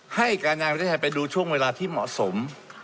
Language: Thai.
ให้การงานประเทศไทยไปดูช่วงเวลาที่เหมาะสม